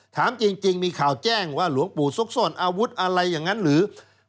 ถามจริงมีข่าวแจ้งว่าหลวงปู่ซุกซ่อนอาวุธอะไรอย่างนั้นหรือ